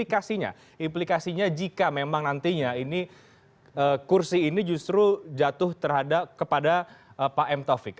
ada tidak implikasinya jika memang nantinya kursi ini justru jatuh terhadap pak m taufik